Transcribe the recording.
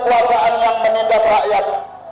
perpuasaan yang menindas rakyat